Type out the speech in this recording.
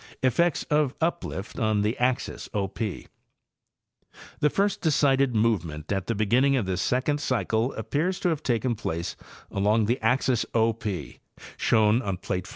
Effects of Uplift on the Axis O P.—The first decided movement at the beginning of this second cycle appears to have taken place along the axis O P, shown on plate 5.